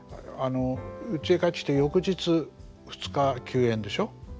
うちへ帰ってきて翌日２日休演でしょ。